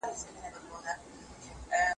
د سړي سر عايد په تدريجي ډول زياتيږي.